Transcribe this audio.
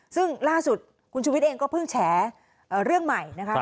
ซึ่งล่าสุดคุณชุวิตเองก็เพิ่งแฉเรื่องใหม่นะคะ